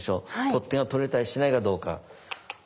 取っ手が取れたりしないかどうか。